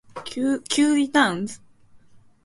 Q returns to the "Enterprise" and celebrates.